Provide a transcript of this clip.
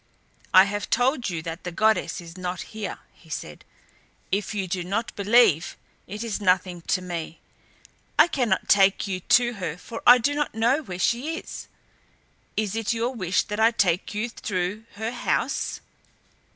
"I have told you that the goddess is not here," he said. "If you do not believe it is nothing to me. I cannot take you to her for I do not know where she is. Is it your wish that I take you through her house?"